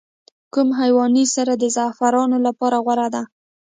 کوم حیواني سره د زعفرانو لپاره غوره ده؟